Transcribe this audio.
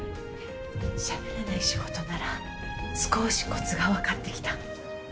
しゃべらない仕事なら少しコツが分かってきた。